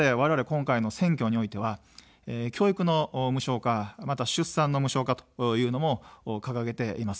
今回の選挙においては教育の無償化、また出産の無償化というのも掲げています。